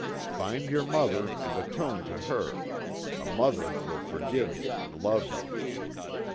' Find your mother and atone to her. A mother will forgive you and love you.'